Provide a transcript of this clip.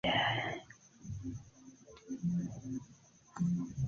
Li estis entombigita en Cisterciana Monaĥeja Baziliko de Ĉieliro de Maria en Zirc.